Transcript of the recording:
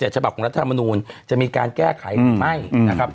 ๗ฉบับของรัฐธรรมนูญจะมีการแก้ไขหรือไม่